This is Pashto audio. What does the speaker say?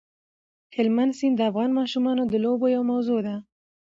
هلمند سیند د افغان ماشومانو د لوبو یوه موضوع ده.